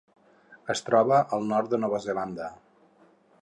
Es troba al nord de Nova Zelanda.